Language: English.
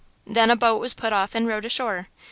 Then a boat was put off and rowed ashore.